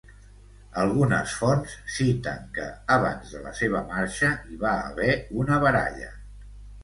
Algunes fonts citen que, abans de la seva marxa, hi va haver una baralla.